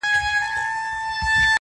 ستا د ميني پـــه كـــورگـــي كـــــي_